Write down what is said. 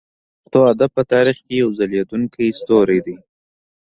غور د پښتو ادب په تاریخ کې یو ځلیدونکی ستوری دی